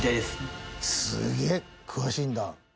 すげえ詳しいんだ。